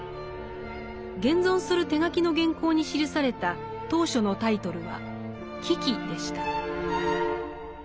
現存する手書きの原稿に記された当初のタイトルは「危機」でした。